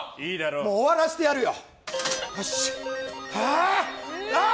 終わらせてやるよ。